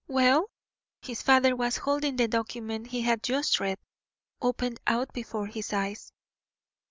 Well?" His father was holding the document he had just read, opened out before his eyes.